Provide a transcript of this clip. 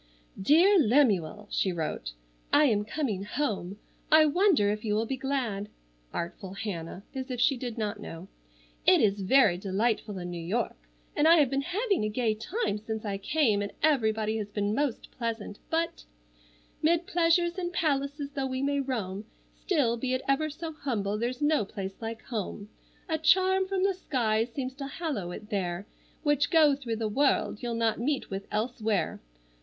"DEAR LEMUEL:" she wrote:— "I am coming home. I wonder if you will be glad? (Artful Hannah, as if she did not know!) "It is very delightful in New York and I have been having a gay time since I came, and everybody has been most pleasant, but— "'Mid pleasures and palaces though we may roam, Still, be it ever so humble, there's no place like home. A charm from the skies seems to hallow it there, Which, go through the world, you'll not meet with elsewhere.